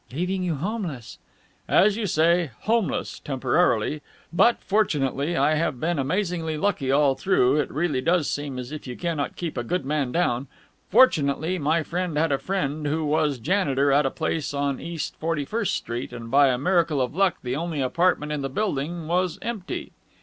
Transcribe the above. "Leaving you homeless!" "As you say, homeless temporarily. But, fortunately I have been amazingly lucky all through; it really does seem as if you cannot keep a good man down fortunately my friend had a friend who was janitor at a place on East Forty first Street, and by a miracle of luck the only apartment in the building was empty.